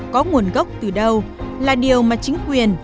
có nguồn gốc từ đâu là điều mà chính quyền